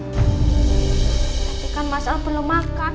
perhatikan mas al belum makan